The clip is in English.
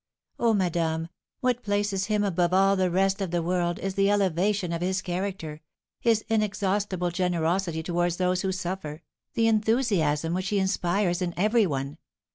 "Oh, madame, what places him above all the rest of the world is the elevation of his character, his inexhaustible generosity towards those who suffer, the enthusiasm which he inspires in every one.